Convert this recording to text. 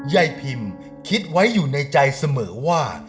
ยายพิมคิดไว้อยู่ในใจเสมอว่า